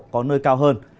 có nơi cao hơn